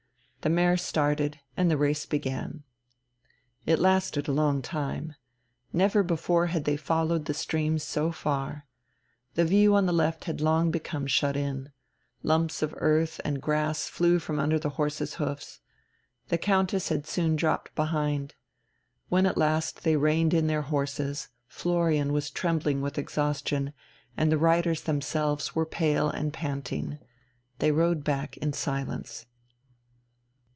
The mare started, and the race began. It lasted a long time. Never before had they followed the stream so far. The view on the left had long become shut in. Lumps of earth and grass flew from under the horses' hoofs. The Countess had soon dropped behind. When at last they reined in their horses, Florian was trembling with exhaustion, and the riders themselves were pale and panting. They rode back in silence.